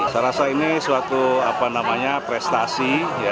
saya rasa ini suatu prestasi